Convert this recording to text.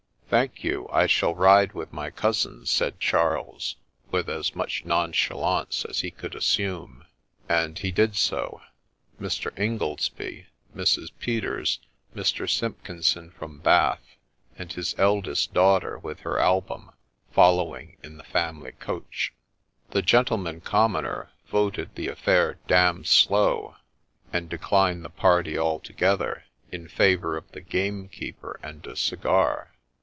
' Thank you, I shall ride with my cousins,' said Charles, with as much nonchalance as he could assume — and he did so ; Mr. Ingoldsby, Mrs. Peters, Mr. Simpkinson from Bath, and his eldest daughter with her album, following in the family coach. The gentleman commoner ' voted the affair d — d slow,' and declined the party altogether in favour of the gamekeeper and a cigar.